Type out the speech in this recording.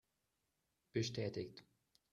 Bestätigt!